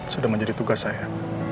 sudah menjadi tugas saya